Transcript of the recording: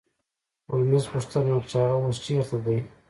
هولمز پوښتنه وکړه چې هغه اوس چیرته دی